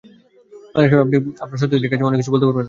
অনেক সময় আপনি আপনার সতীর্থের কাছেও অনেক কিছু বলতে পারবেন না।